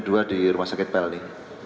di rumah sakit pelni